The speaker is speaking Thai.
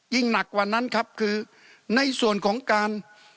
หนักกว่านั้นครับคือในส่วนของการ